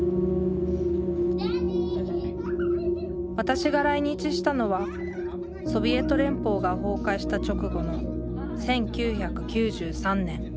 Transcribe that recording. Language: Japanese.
私が来日したのはソビエト連邦が崩壊した直後の１９９３年。